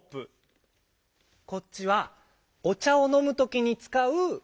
こっちはおちゃをのむときにつかう。